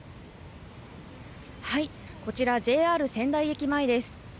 こちらＪＲ仙台駅前です。